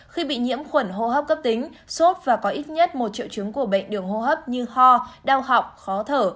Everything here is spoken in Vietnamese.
khi bị nhiễm khuẩn hô hấp cấp tính sốt và có ít nhất một triệu chứng của bệnh đường hô hấp như ho đau họng khó thở